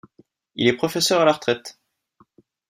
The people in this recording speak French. Il est professeur à la retraite.